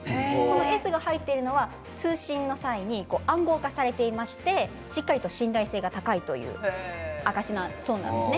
ｓが入ってるのは通信の際に暗号化されていますのでしっかりと信頼性が高いという証しだそうです。